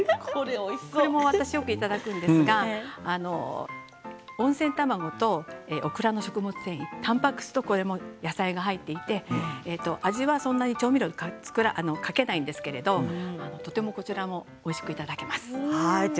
よくいただくんですが温泉卵とオクラの食物繊維たんぱく質と野菜が入っていて味はそんなに調味料はかけないんですがとてもこちらもおいしくいただけます。